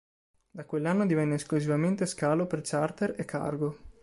Da quell'anno divenne esclusivamente scalo per charter e cargo.